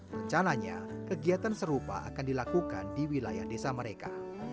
rencananya kegiatan serupa akan dilakukan di wilayah desa mereka